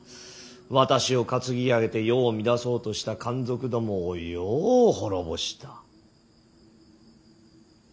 私を担ぎ上げて世を乱そうとした奸賊どもをよう滅ぼした。